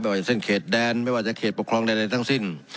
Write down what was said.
ว่าเส้นเขตแดนไม่ว่าจะเขตปกครองใดทั้งสิ้น